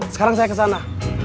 sekarang saya kesana